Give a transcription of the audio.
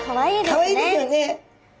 かわいいですよね。